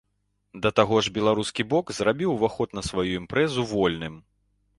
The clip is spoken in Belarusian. Да таго ж беларускі бок зрабіў ўваход на сваю імпрэзу вольным.